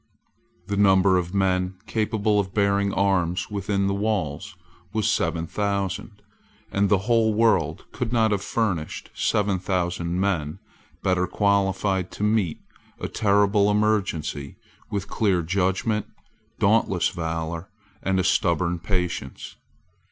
The number of men capable of bearing arms within the walls was seven thousand; and the whole world could not have furnished seven thousand men better qualified to meet a terrible emergency with clear judgment, dauntless valour, and stubborn patience.